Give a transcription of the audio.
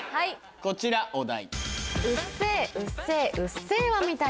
こちらお題。